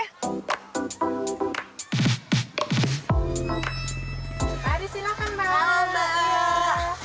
hari silakan mbak